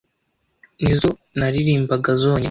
ni zo naririmbaga zonyine.